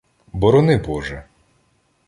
— Борони Боже.